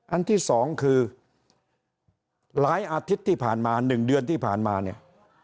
อันที่สองคือหลายอาทิตย์ที่ผ่านมา๑เดือนที่ผ่านมาเนี่ย